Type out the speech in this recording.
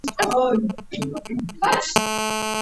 ჩვენამდე მოაღწია ხატის მხოლოდ ფოტომ, რომელიც ერმაკოვმა გადაიღო.